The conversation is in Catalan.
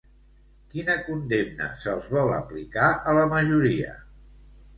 Quina condemna se'ls vol aplicar a la majoria?